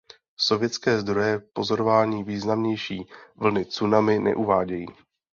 Sovětské zdroje pozorování významnější vlny tsunami neuvádějí..